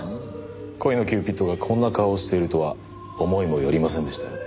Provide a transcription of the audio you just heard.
恋のキューピッドがこんな顔をしているとは思いもよりませんでしたよ。